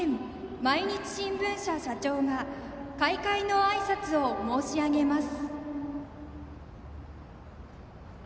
毎日新聞社社長が開会のあいさつを申し上げます。